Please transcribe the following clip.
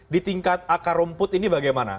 di tingkat akar rumput ini bagaimana